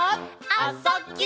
「あ・そ・ぎゅ」